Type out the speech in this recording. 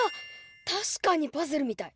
確かにパズルみたい！